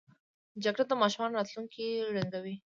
جګړه د ماشومانو راتلونکی ړنګوي